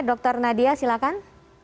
dr nadia silakan